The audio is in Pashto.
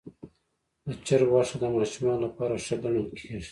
د چرګ غوښه د ماشومانو لپاره ښه ګڼل کېږي.